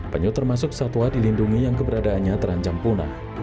penyu termasuk satwa dilindungi yang keberadaannya terancam punah